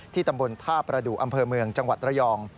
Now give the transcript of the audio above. ที่ตำรวจธาปฎุอำเภอเมืองจังหวัดระยอง